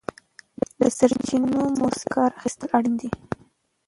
د سرچینو مؤثره کار اخیستل اړین دي.